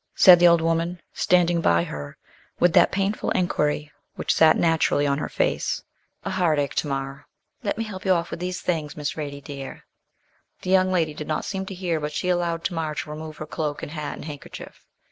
said the old woman, standing by her with that painful enquiry which sat naturally on her face. 'A heartache, Tamar.' 'Let me help you off with these things, Miss Radie, dear.' The young lady did not seem to hear, but she allowed Tamar to remove her cloak and hat and handkerchief.